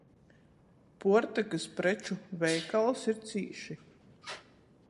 Puortykys preču veikals ir cīši.